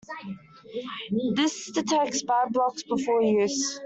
This detects bad blocks before use.